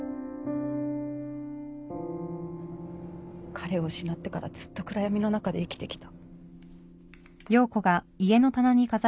彼を失ってからずっと暗闇の中で生きてきた。